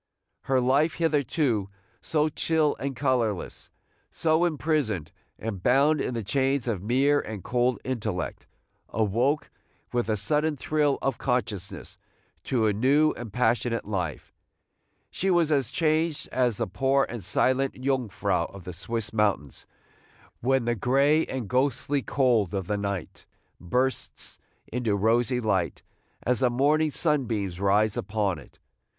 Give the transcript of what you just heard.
Her life, hitherto so chill and colorless, so imprisoned and bound in the chains of mere and cold intellect, awoke with a sudden thrill of consciousness to a new and passionate life. She was as changed as the poor and silent Jungfrau of the Swiss mountains, when the gray and ghostly cold of the night bursts into rosy light, as the morning sunbeams rise upon it.